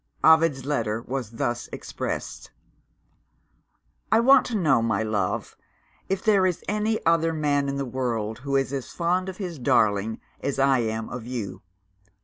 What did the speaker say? Ovid's letter was thus expressed: "I want to know, my love, if there is any other man in the world who is as fond of his darling as I am of you?